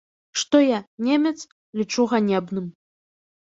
Што я, немец, лічу ганебным.